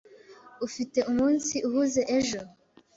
Ufite umunsi uhuze ejo.